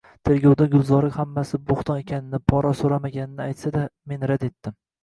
Tergovda Gulzora µammasi bo`µton ekanini, pora so`ramaganimni aytsa-da, men rad etdim